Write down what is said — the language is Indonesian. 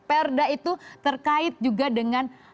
perda itu terkait juga dengan hak otonomi daerah